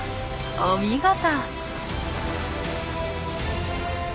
お見事！